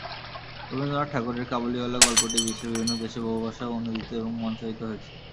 রবীন্দ্রনাথ ঠাকুরের কাবুলিওয়ালা গল্পটি বিশ্বের বিভিন্ন দেশে বহু ভাষায় অনূদিত এবং মঞ্চায়িত হয়েছে।